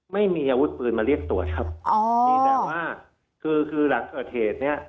ไม่มีอาวุธปืนมาเรียกตรวจครับนี่แหละว่าคือหลังเกิดเหตุ